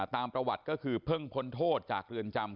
ตามประวัติก็คือเพิ่งพ้นโทษจากเรือนจำ